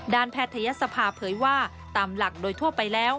แพทยศภาเผยว่าตามหลักโดยทั่วไปแล้ว